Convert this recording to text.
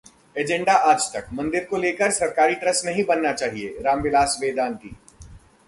agenda Aaj Tak: मंदिर को लेकर सरकारी ट्रस्ट नहीं बनना चाहिए- राम विलास वेदांती